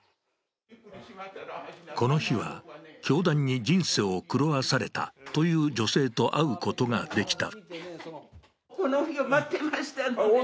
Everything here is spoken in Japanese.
この日は、教団に人生を狂わされたという女性と会うことができた。